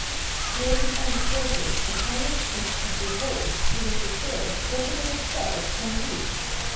Here we find asserted the highest pitch of revolt to which a spirit certain of itself can reach.